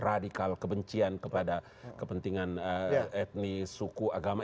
radikal kebencian kepada kepentingan etnis suku agama